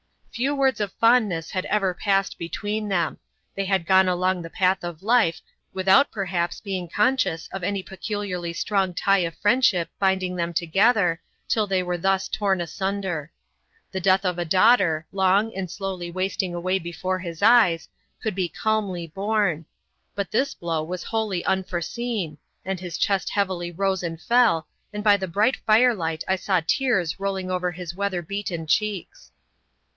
Few words of fondness had ever passed between them. They had gone along the path of life, without perhaps being conscious of any peculiarly strong tie of friendship binding them together, till they were thus torn asunder. The death of a daughter, long and slowly wasting away before his eyes, could be calmly borne. But this blow was wholly unforeseen, and his chest heavily rose and fell, and by the bright firelight I saw tears rolling over his weather beaten cheeks.